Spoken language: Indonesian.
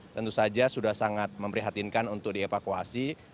tentu saja sudah sangat memprihatinkan untuk dievakuasi